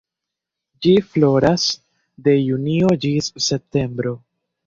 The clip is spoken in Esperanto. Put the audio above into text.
Ĝi floras de junio ĝis septembro.